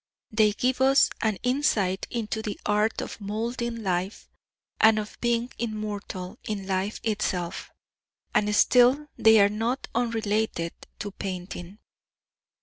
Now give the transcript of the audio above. They give us an insight into the art of moulding life, and of being immortal in life itself, and still they are not unrelated to painting.